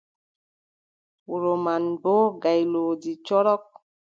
Wuro man, boo gaylooji corok.